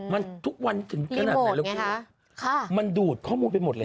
มันทุกวันถึงขนาดไหนแล้วคุณมันดูดข้อมูลไปหมดเลย